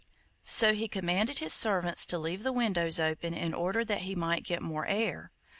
So he commanded his servants to leave the windows open in order that he might get more air.